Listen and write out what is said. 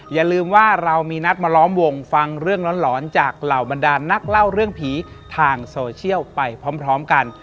อย่าลืมว่าเรามีนัดมาล้อมวงฟังเรื่องหลอนจากเหล่าบรรดานนักเล่าเรื่องผีทางโซเชียลไปพร้อมกัน